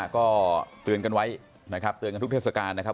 ก็เตือนกันไว้นะครับเตือนกันทุกเทศกาลนะครับ